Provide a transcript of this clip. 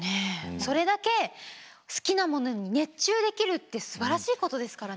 それだけ好きなものに熱中できるってすばらしいことですからね。